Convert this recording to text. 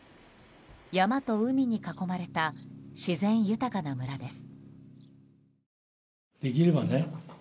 山と海に囲まれた自然豊かな村です。